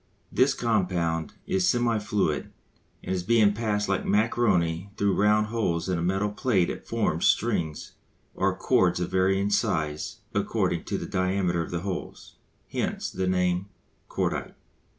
This compound is semi fluid, and being passed like macaroni through round holes in a metal plate it forms strings or cords of varying size according to the diameter of the holes. Hence the name, cordite.